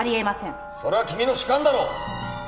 それは君の主観だろう！